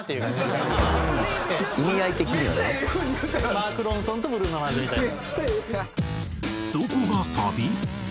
マーク・ロンソンとブルーノ・マーズみたいな。